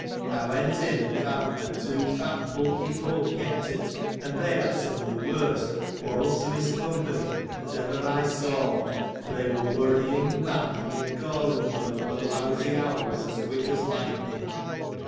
I went in, and found that two fat, bulky folk kept it ; and they had some of the worst, quarrelsomest company, that, ever I saw, for they were worrying, banning, and calling one another lousy owls as quick as lightning.